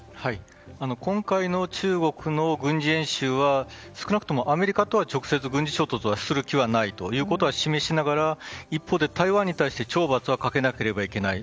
今回の中国の軍事演習は少なくともアメリカとは直接、軍事衝突をするつもりはないということを示しながら、一方で台湾に対して懲罰はかけなければいけない。